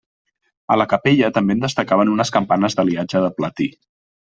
A la capella també en destacaven unes campanes d'aliatge de platí.